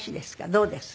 どうです？